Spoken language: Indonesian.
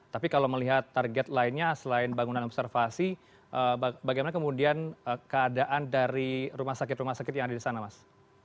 tapi kalau melihat target lainnya selain bangunan observasi bagaimana kemudian keadaan dari rumah sakit rumah sakit yang ada di sana mas